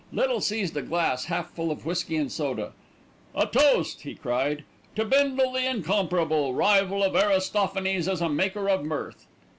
Little seized a glass half full of whisky and soda. "A toast," he cried, "to Bindle the Incomparable, rival of Aristophanes as a maker of mirth."